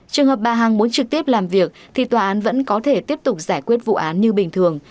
trường hợp bà hằng muốn trực tiếp làm việc thì tòa án vẫn có thể tiếp tục giải quyết vụ án như bình thường